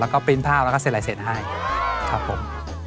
แล้วก็ปริ้นภาพแล้วก็เซ็นลายเซ็นต์ให้ครับผม